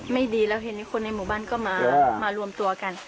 ไม่ดีแล้วเห็นคนในหมู่บ้านก็มารวมตัวกัน